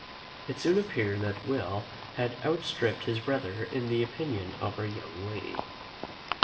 It soon appeared that Will had outstripped his brother in the opinion of our young lady.